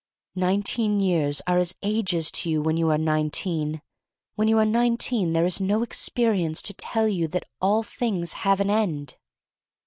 Nineteen years are as ages to you when you are nineteen. When you are nineteen there is no experience to tell you that all things have an end.